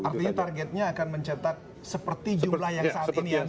artinya targetnya akan mencetak seperti jumlah yang saat ini yang